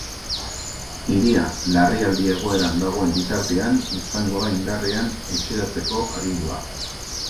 Hiria larrialdi egoeran dagoen bitartean izango da indarrean etxeratzeko agindua.